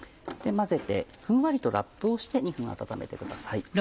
混ぜてふんわりとラップをして２分温めてください。